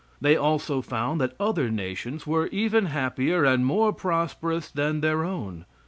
They also found that other nations were even happier and more prosperous than their own.